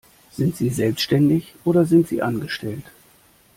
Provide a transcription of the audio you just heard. Sind sie selbstständig oder sind sie Angestellt?